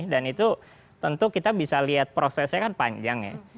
dan itu tentu kita bisa lihat prosesnya kan panjang ya